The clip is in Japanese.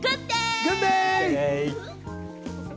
グッデイ！